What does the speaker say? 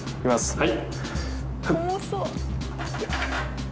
はい。